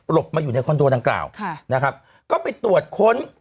มาอยู่ในคอนโดดังกล่าวนะครับก็ไปตรวจค้น